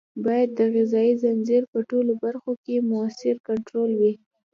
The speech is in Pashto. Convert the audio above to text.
باید د غذایي ځنځیر په ټولو برخو کې مؤثر کنټرول وي.